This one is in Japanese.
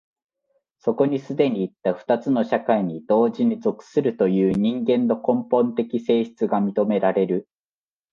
そこに既にいった二つの社会に同時に属するという人間の根本的性質が認められる。